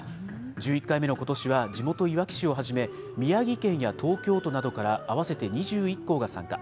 １１回目のことしは、地元いわき市をはじめ、宮城県や東京都などから合わせて２１校が参加。